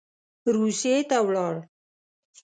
روسیې ته ولاړ.